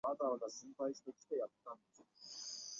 第三个升入德甲的名额在两区的第二名之间产生。